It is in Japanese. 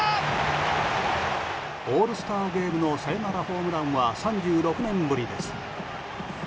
オールスターゲームのサヨナラホームランは３６年ぶりです。